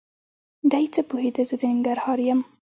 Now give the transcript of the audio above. دی څه پوهېده زه د ننګرهار یم؟!